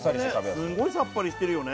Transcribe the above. すごいさっぱりしてるよね。